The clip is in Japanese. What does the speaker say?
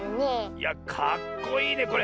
いやかっこいいねこれ。